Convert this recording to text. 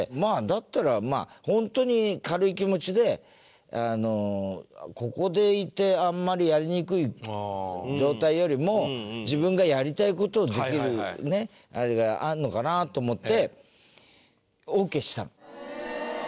だったらまあ本当に軽い気持ちでここでいてあんまりやりにくい状態よりも自分がやりたい事をできるねあれがあるのかなと思ってオーケーしたの。